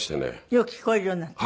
よく聞こえるようになった。